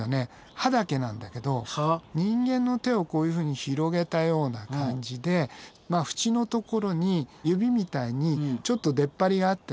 歯だけなんだけど人間の手をこういうふうに広げたような感じでふちのところに指みたいにちょっと出っ張りがあってね。